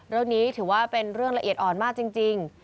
เรื่องนี้ถือว่าเป็นเรื่องละเอียดอ่อนมากจริง